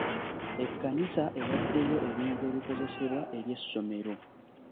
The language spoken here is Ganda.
Ekkanisa ewaddeyo ebintu ebikozesebwa eri essomero.